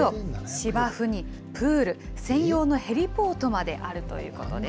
芝生にプール、専用のヘリポートまであるということです。